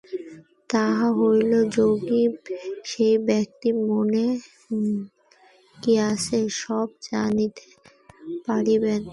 তাহা হইলে যোগী সেই ব্যক্তির মনে কি আছে, সবই জানিতে পারিবেন।